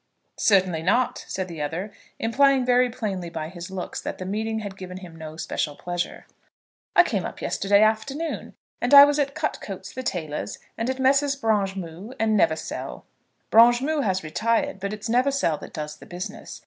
"Certainly not," said the other, implying very plainly by his looks that the meeting had given him no special pleasure. "I came up yesterday afternoon, and I was at Cutcote's the tailor's, and at Messrs. Bringémout and Neversell's. Bringémout has retired, but it's Neversell that does the business.